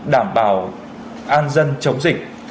đảm bảo an dân chống dịch